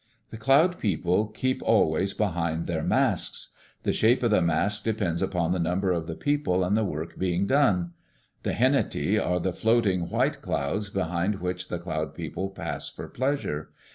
(5) The Cloud People keep always behind their masks. The shape of the mask depends upon the number of the people and the work being done. The Henati are the floating white clouds behind which the Cloud People pass for pleasure.